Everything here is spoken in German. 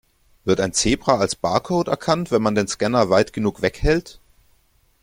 Wird ein Zebra als Barcode erkannt, wenn man den Scanner weit genug weghält?